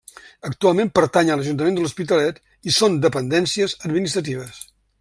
Actualment pertany a l'Ajuntament de l'Hospitalet i són dependències administratives.